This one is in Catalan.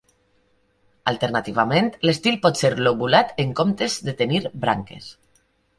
Alternativament, l'estil pot ser lobulat en comptes de tenir branques.